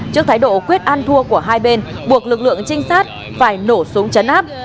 trước thái độ quyết an thua của hai bên buộc lực lượng trinh sát phải nổ súng chấn áp